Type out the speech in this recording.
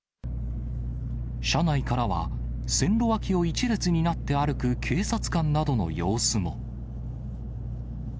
車内からは、線路脇を一列になって歩く警察官などの様子も。